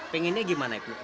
pengennya gimana ibnu